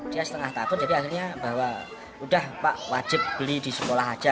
dia setengah tahun jadi akhirnya bahwa udah pak wajib beli di sekolah aja